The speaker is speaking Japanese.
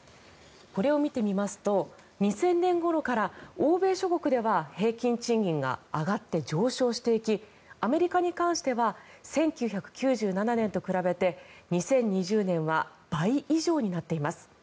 これを見てみますと２０００年ごろから欧米諸国では平均賃金が上がって上昇していきアメリカに関しては１９９７年と比べて２０２０年は倍以上になっています。